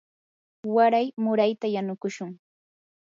waray murayta yanukushun.